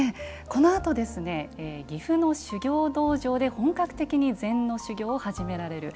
このあと、岐阜の修行道場で本格的に禅の修行を始められる。